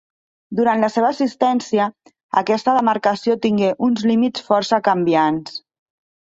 Durant la seva existència, aquesta demarcació tingué uns límits força canviants.